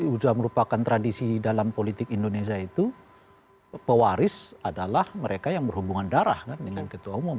sudah merupakan tradisi dalam politik indonesia itu pewaris adalah mereka yang berhubungan darah kan dengan ketua umum